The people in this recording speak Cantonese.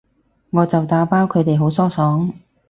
我就打包，佢哋好疏爽